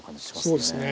そうですね。